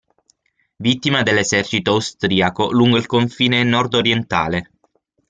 Vittima dell'esercito austriaco lungo il confine nord-orientale.